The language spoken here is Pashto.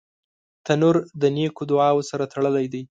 تنور د نیکو دعاوو سره تړلی دی